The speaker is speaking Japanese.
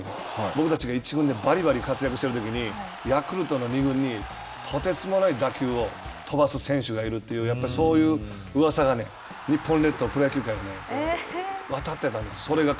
僕たちが１軍でバリバリ活躍しているときに、ヤクルトの二軍にとてつもない打球を飛ばす選手がいるという、そういううわさがね、日本列島プロ野球界に渡ってたんです。